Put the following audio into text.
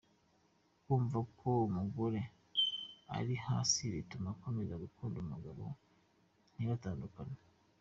Kumva ko umugore ari hasi bituma akomeza gukunda umugabo ntibatandukane.